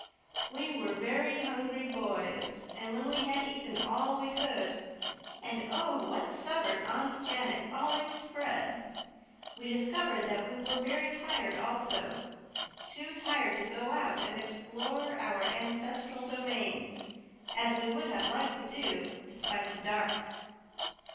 We were very hungry boys; and when we had eaten all we could and oh, what suppers Aunt Janet always spread! we discovered that we were very tired also too tired to go out and explore our ancestral domains, as we would have liked to do, despite the dark.